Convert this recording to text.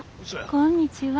こんにちは。